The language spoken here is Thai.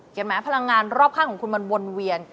แม้พลังงานรอบข้างของคุณมันวนเวียน